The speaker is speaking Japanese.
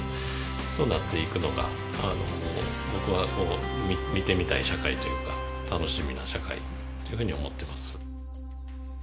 そうなっていくのがあの僕は見てみたい社会というか楽しみな社会っていうふうに思ってます。